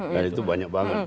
nah itu banyak banget